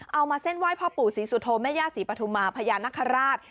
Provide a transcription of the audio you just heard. มาเส้นไหว้พ่อปู่ศรีสุโธแม่ย่าศรีปฐุมาพญานคราช